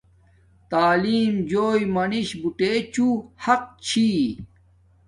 تعلیم جوݵ منش بوٹے چوں حق چھی